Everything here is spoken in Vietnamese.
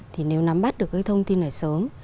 thì nếu nắm bắt được cái thông tin này sớm